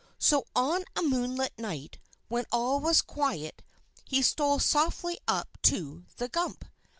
So on a moonlit night, when all was quiet, he stole softly up to "the Gump."